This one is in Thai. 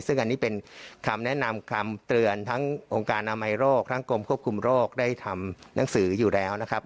ซึ่งอันนี้เป็นคำแนะนำคำเตือนทั้งองค์การอนามัยโรคทั้งกรมควบคุมโรคได้ทำหนังสืออยู่แล้วนะครับ